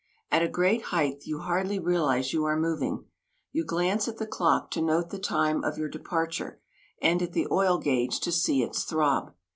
At a great height you hardly realize you are moving. You glance at the clock to note the time of your departure, and at the oil gauge to see its throb.